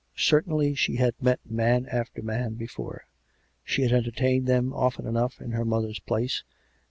Certainly she had met man after man before — she had en tertained them often enough in her mother's place, and COME RACK!